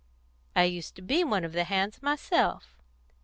I used to be one of the hands myself.